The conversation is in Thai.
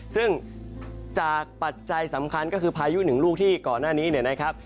ซึ่งจากปัจจัยสำคัญก็คือพายุหนึ่งลูกที่ก่อนหน้านี้เนี่ยนะครับ